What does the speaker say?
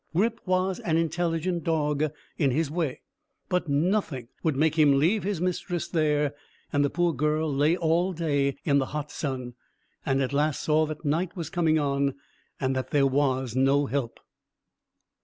Grip was an intelligent dog in his way, but nothing would make him leave his mistress there; and the poor girl lay all day in the hot sun, and at last saw that night was coming on, and that there was no help.